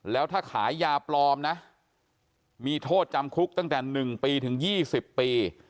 แล้วถ้าขายยาปลอมนะมีโทษจำคุกตั้งแต่๑ปีถึง๒๐ปี